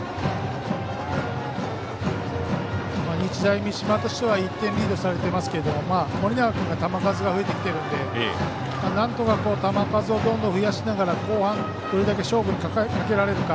日大三島としては１点リードされていますけど盛永君の球数が増えてきているのでなんとか球数をどんどん増やしながら、後半に勝負をかけられるか。